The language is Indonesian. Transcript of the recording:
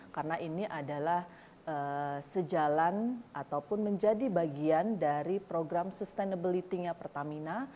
karena ini adalah sejalan ataupun menjadi bagian dari program sustainability nya pertamina